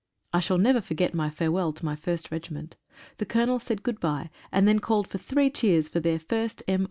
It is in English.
I shall never forget my farewell to my first regiment. The Colonel said good bye, and then called for three cheers for their first M.